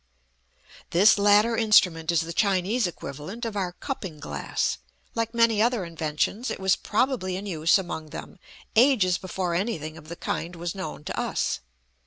This latter instrument is the Chinese equivalent of our cupping glass; like many other inventions, it was probably in use among them ages before anything of the kind was known to us.